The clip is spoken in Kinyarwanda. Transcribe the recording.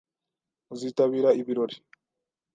Uzitabira ibirori?